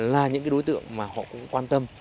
là những đối tượng mà họ cũng quan tâm